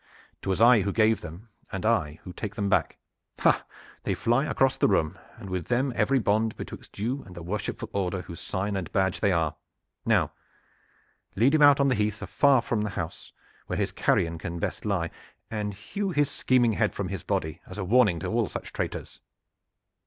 'Twas I who gave them, and I who take them back. Ha! they fly across the hall, and with them every bond betwixt you and the worshipful order whose sign and badge they are! Now lead him out on the heath afar from the house where his carrion can best lie, and hew his scheming head from his body as a warning to all such traitors!"